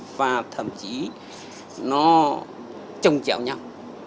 và thậm chí nó trông chẹo nhau